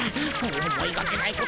思いがけないこと？